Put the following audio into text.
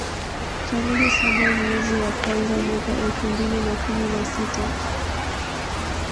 tarehe saba mwezi wa kwanza mwaka elfu mbili na kumi na sita